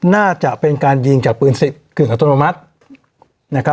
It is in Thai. น่าจะเป็นการยิงจากปืนศิกร์คืออัตโนมัติ